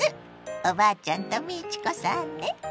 おばあちゃんと美智子さんね！